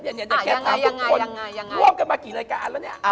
อยากตามทุกคนร่วมกันมากี่รายการแล้วนะ